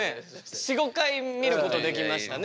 ４５回見ることできましたね。